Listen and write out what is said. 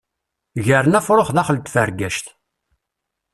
Gren afrux daxel tfergact.